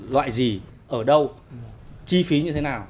loại gì ở đâu chi phí như thế nào